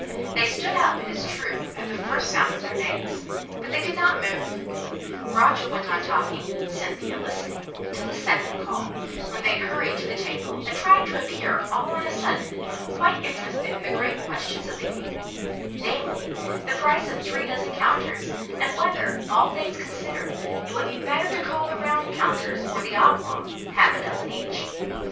They stood up, it is true, at the first sound of their names; but they did not move Roger went on talking, Cynthia listening till the second call; when they hurried to the table and tried to appear, all on a sudden, quite interested in the great questions of the game namely, the price of three dozen counters, and whether, all things considered, it would be better to call the round counters or the oblong half a dozen each.